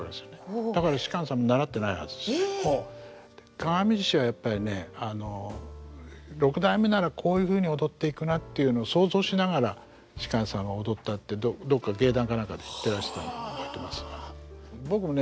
「鏡獅子」はやっぱりねあの六代目ならこういうふうに踊っていくなっていうのを想像しながら芝さんは踊ったってどっか芸談か何かで言ってらしたって言ってますね。